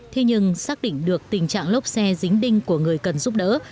thế nhưng xác định được tình trạng lốc xe dính đinh của người cần giúp đỡ